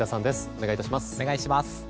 お願いします。